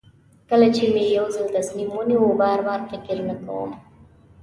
کله چې مې یو ځل تصمیم ونیو بار بار فکر نه کوم.